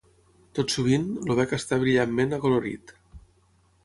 Tot sovint, el bec està brillantment acolorit.